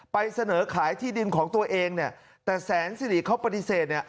เสนอขายที่ดินของตัวเองเนี่ยแต่แสนสิริเขาปฏิเสธเนี่ย